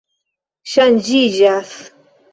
ŝanĝiĝas